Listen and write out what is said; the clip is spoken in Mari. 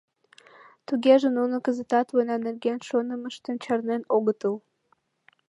— Тугеже нуно кызытат война нерген шонымыштым чарнен огытыл?